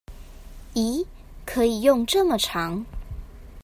疑！可以用這麼長